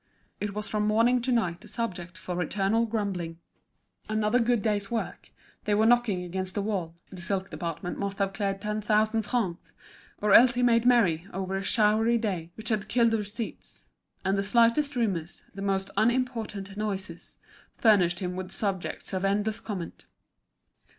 It was from morning to night a subject for eternal grumbling. Another good day's work, they were knocking against the wall, the silk department must have cleared ten thousand francs; or else he made merry over a showery day which had killed the receipts. And the slightest rumours, the most unimportant noises, furnished him with subjects of endless comment.